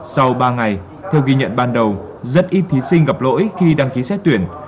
sau ba ngày theo ghi nhận ban đầu rất ít thí sinh gặp lỗi khi đăng ký xét tuyển